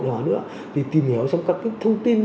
để hỏi nữa thì tìm hiểu xong các cái thông tin